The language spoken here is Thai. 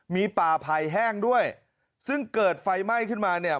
มีป่าไผ่แห้งด้วยซึ่งเกิดไฟไหม้ขึ้นมาเนี่ย